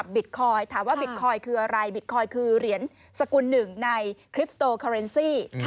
บิตคอยน์คือเหรียญสกุลหนึ่งในคลิปโฟร์เคอร์เอนซี่